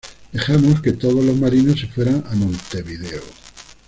Dejamos que todos los marinos se fueran a Montevideo".